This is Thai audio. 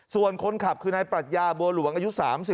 ส่วนคนขับคือในปรัชญาบัลห์เหลวงอายุ๓๑